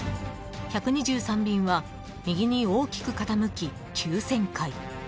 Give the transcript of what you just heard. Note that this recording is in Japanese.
１２３便は右に大きく傾き急旋回。